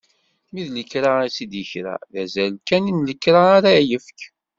Ma d lekra i t-id-ikra, d azal kan n lekra ara yefk.